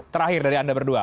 terakhir dari anda berdua